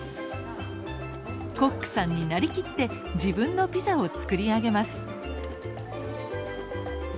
コックさんになりきって自分のピザを作り上げます。